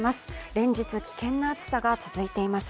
連日危険な暑さが続いています。